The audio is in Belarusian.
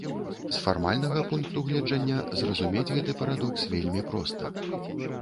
З фармальнага пункту гледжання зразумець гэты парадокс вельмі проста.